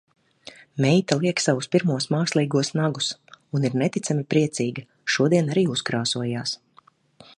Meita liek savus pirmos mākslīgos nagus. Un ir neticami priecīga. Šodien arī uzkrāsojās.